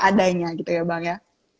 adanya gitu ya bang ya